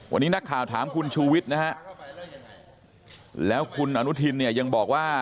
วันนี้นักข่าวถามคุณชูวิทย์นะฮะแล้วคุณอนุทินเนี่ยยังบอกว่า